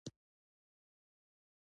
انسان له فکري پلوه له یو بل نه استفاده کړې.